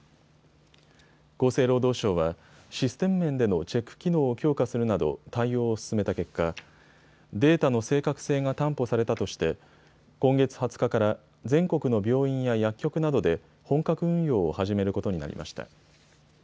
厚生労働省はシステム面でのチェック機能を強化するなど対応を進めた結果、データの正確性が担保されたとして今月２０日から全国の病院や薬局などで本格運用を始めることになりました。